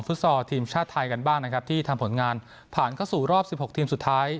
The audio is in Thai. ซอลทีมชาติไทยกันบ้างนะครับที่ทำผลงานผ่านเข้าสู่รอบ๑๖ทีมสุดท้าย